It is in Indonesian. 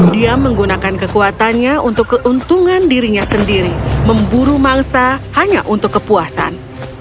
dia menggunakan kekuatannya untuk keuntungan dirinya sendiri memburu mangsa hanya untuk kepuasan